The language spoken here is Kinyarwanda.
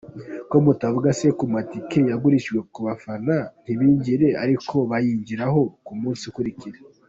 Ko mutavuga se ku ma tickets yagurishijwe abafana ntibinjire! Ariko bayinjiriyeho ku munsi ukurikira.